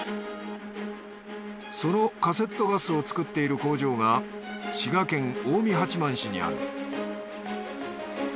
そのカセットガスを作っている工場が滋賀県・近江八幡市にある。